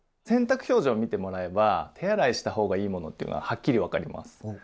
洗濯表示を見てもらえば手洗いした方がいいものっていうのははっきり分かります。